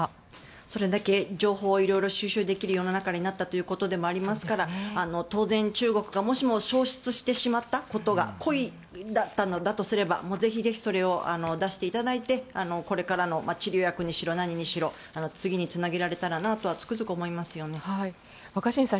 それだけ情報がいろいろ収集できるようになったということですから当然、中国がもしも送出してしまったことが故意だったのだとすればぜひ、それを出していただいてこれからの治療薬にしろ何にしろ次につなげられたらなと若新さん